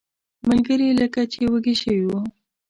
ملګري لکه چې وږي شوي وو.